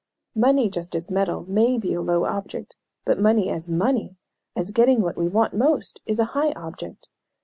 "Money, just as metal, may be a low object, but money as money, as getting what we want most, is a high object.